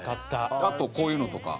あとこういうのとか。